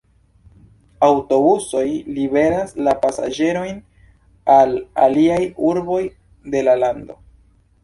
Aŭtobusoj liveras la pasaĝerojn al aliaj urboj de la lando.